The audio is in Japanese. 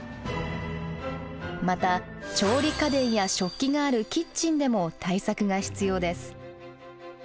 また調理家電や食器があるキッチンでも対策が必要です。